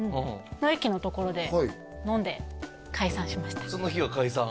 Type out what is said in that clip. の駅のところで飲んで解散しましたその日は解散？